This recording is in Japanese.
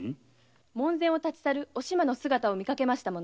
門前を立ち去るおしまを見かけました。